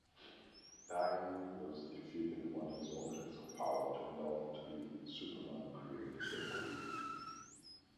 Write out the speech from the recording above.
Dhai was defeated when his objects of power turned out to be Superman-created fakeries.